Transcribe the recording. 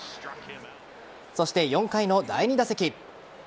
そして４回の第２打席。